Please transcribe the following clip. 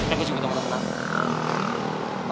aku juga gak mau bantuin mereka